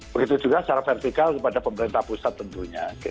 begitu juga secara vertikal kepada pemerintah pusat tentunya